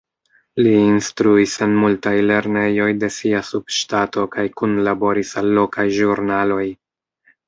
Li instruis en multaj lernejoj de sia subŝtato kaj kunlaboris al lokaj ĵurnaloj.